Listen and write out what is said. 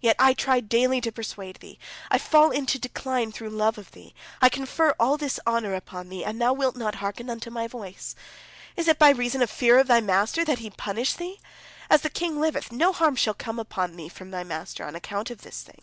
Yet I try daily to persuade thee, I fall into decline through love of thee, I confer all this honor upon thee, and thou wilt not hearken unto my voice! Is it by reason of fear of thy master, that he punish thee? As the king liveth, no harm shall come upon thee from thy master on account of this thing.